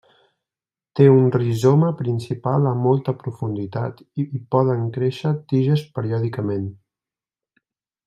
Té un rizoma principal a molta profunditat i poden créixer tiges periòdicament.